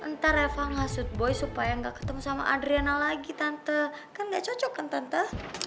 ntar eva masuk boy supaya nggak ketemu sama adriana lagi tante kan gak cocok kan tante